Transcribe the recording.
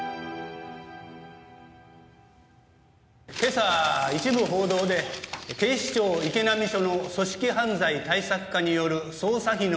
今朝一部報道で警視庁池波署の組織犯罪対策課による捜査費の流用が。